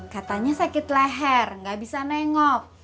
katanya sakit leher nggak bisa nengok